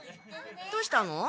どうしたの？